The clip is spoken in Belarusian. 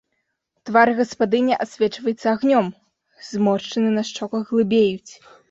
Твар гаспадыні асвечваецца агнём, зморшчыны на шчоках глыбеюць.